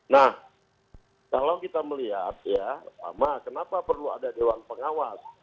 nah kalau kita melihat ya kenapa perlu ada dewan pengawas